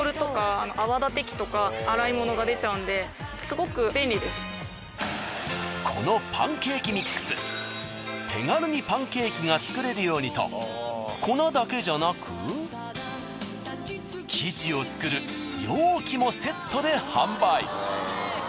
こちらのこのパンケーキミックス手軽にパンケーキが作れるようにと粉だけじゃなく生地を作る容器もセットで販売。